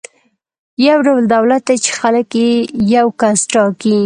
یو ډول دولت دی چې خلک یې یو کس ټاکي.